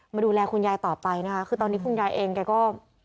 ดูแลคุณยายต่อไปนะคะคือตอนนี้คุณยายเองแกก็